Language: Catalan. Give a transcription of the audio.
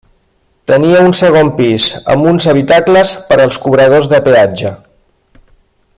Tenia un segon pis amb uns habitacles per als cobradors de peatge.